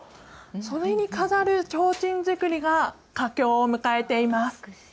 それに飾る、ちょうちん作りが佳境を迎えています。